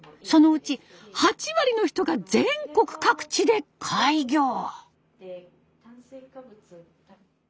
そのうち８割の人が全国各地で開業！